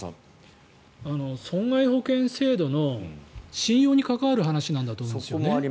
損害保険制度の信用に関わる話なんだと思うんですね。